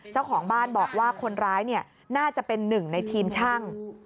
เจ้าของบ้านบอกว่าคนร้ายน่าจะเป็นหนึ่งในทีมช่าง